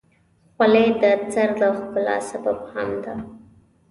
خولۍ د سر د ښکلا سبب هم ده.